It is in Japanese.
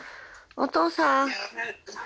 お父さん。